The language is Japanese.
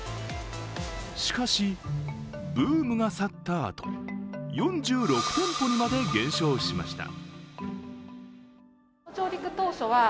しかし、ブームが去ったあと４６店舗にまで減少しました。